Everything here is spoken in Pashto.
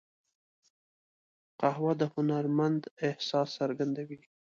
قهوه د هنرمند احساس څرګندوي